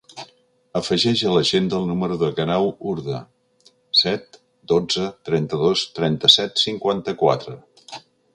Afegeix a l'agenda el número del Guerau Urda: set, dotze, trenta-dos, trenta-set, cinquanta-quatre.